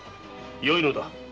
よいのだ。